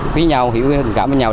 quý nhau hiểu tình cảm với nhau